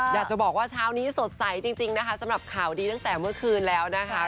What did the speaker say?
อยากจะบอกว่าเช้านี้สดใสจริงนะคะสำหรับข่าวดีตั้งแต่เมื่อคืนแล้วนะคะ